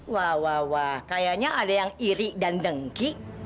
wah wah kayaknya ada yang iri dan dengki